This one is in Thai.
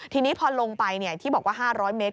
ทีนี้พอลงไปที่บอกว่า๕๐๐เมตร